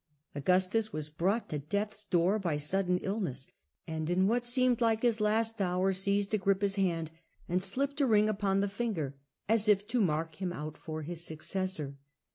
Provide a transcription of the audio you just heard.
Augustus was brought to death's door by sudden illness, and, in what seemed like his last hour, seized Agrippa's hand and slipped a ring upon the fin ger, as if to mark him out for his successor.